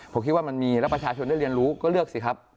ผมคิดว่ามันมีแล้วประชาชนได้เรียนรู้ก็เลือกสิครับ